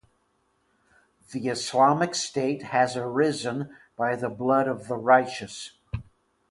The Islamic State has arisen by the blood of the righteous.